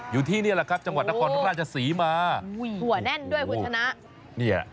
อยู่ที่นี่แหละครับจังหวัดนครราชศรีมาถั่วแน่นด้วยคุณชนะเนี่ย